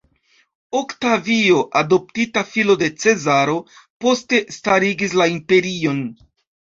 Oktavio, adoptita filo de Cezaro, poste starigis la imperion.